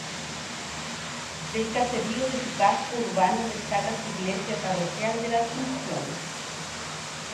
Del caserío de su casco urbano destaca su iglesia parroquial de la Asunción.